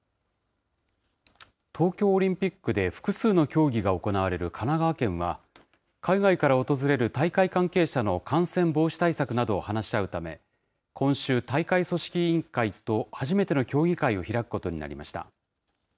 東京オリンピックで複数の競技が行われる神奈川県は、海外から訪れる大会関係者の感染防止対策などを話し合うため、今週、大会組織委員会と初めての協議会を開くことになりました。